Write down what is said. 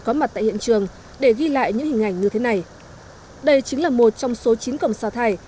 có mặt tại hiện trường để ghi lại những hình ảnh như thế này đây chính là một trong số chín cổng xả thải